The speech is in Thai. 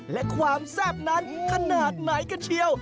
และความแซ่บนั้นขนาดไหนกันเชียว